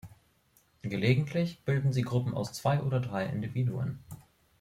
Gelegentlich bilden sie Gruppen aus zwei oder drei Individuen.